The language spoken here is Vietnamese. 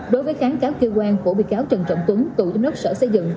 đối với kháng cáo kêu quan của bị cáo trần trọng tuấn tù chính đốc sở xây dựng